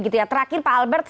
terakhir pak albert